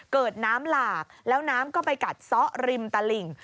เกิดน้ำหลากแล้วน้ำก็ไปกัดซ้อริมตลิ่ง